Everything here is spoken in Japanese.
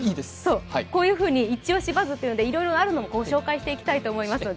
こういうふうにイチオシバズっていうので、いろいろあるのをご紹介していきたいと思いますので。